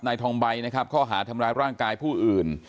นายทองใบข้อหาทำร้ายร่างกายผู้อื่น